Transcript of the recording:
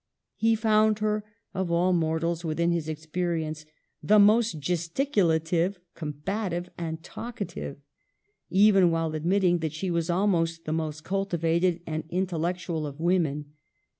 He found her, of all mortals within his experi ence, " the most gesticulati ve, combative, and talk / ative," even while admitting that she was almost the most cultivated and intellectual of women.